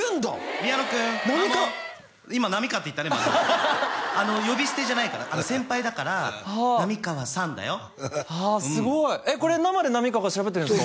宮野君マモ浪川今浪川って言ったね呼び捨てじゃないから先輩だから「浪川さん」だよはあすごいえっこれ生で浪川がしゃべってるんですか？